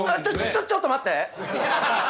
ちょちょっと待って！